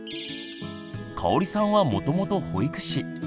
かおりさんはもともと保育士。